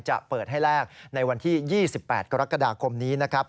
จะเปิดให้แลกในวันที่๒๘กรกฎาคมนี้นะครับ